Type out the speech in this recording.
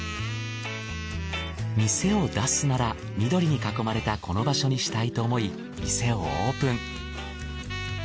店を出すなら緑に囲まれたこの場所にしたいと思い店をオープン。